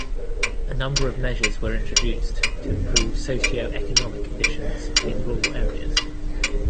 A number of measures were introduced to improve socio-economic conditions in rural areas.